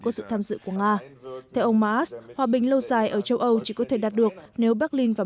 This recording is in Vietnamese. phải do dự của nga theo ông maas hòa bình lâu dài ở châu âu chỉ có thể đạt được nếu berlin và